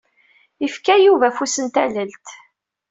Ifka Yuba afus n tallelt.